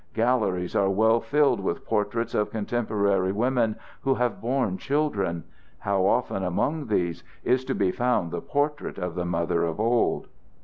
Galleries are well filled with portraits of contemporary women who have borne children: how often among these is to be found the portrait of the mother of old?"